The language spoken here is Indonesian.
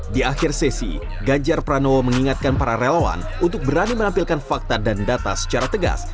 di akhir sesi ganjar pranowo mengingatkan para relawan untuk berani menampilkan fakta dan data secara tegas